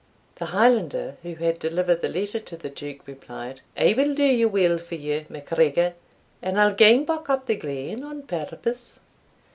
The Highlander who had delivered the letter to the Duke replied, "I'll do your will for you, MacGregor; and I'll gang back up the glen on purpose."